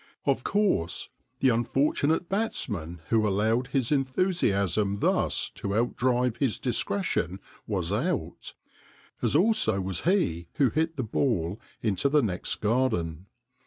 Of course, the unfortunate batsman who allowed his enthusiasm thus to outdrive his discretion was out, as also was he who hit the ball into the next garden.